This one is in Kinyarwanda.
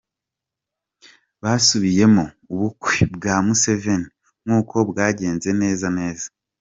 Basubiyemo ubukwe bwa Museveni nk'uko bwagenze neza neza.